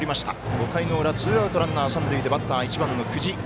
５回の裏、ツーアウトランナー、三塁でバッターは久慈。